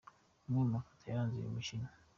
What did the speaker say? Amwe mu mafoto yaranze uyu mukino.